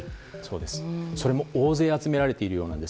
それも大勢集められているようです。